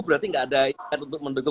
berarti gak ada yang untuk membentuk